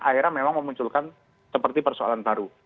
akhirnya memang memunculkan seperti persoalan baru